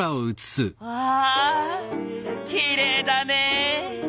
わきれいだね！